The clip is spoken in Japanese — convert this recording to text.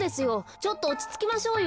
ちょっとおちつきましょうよ。